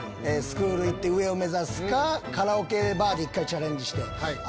スクール行って上を目指すかカラオケバーでチャレンジして遊んでみる。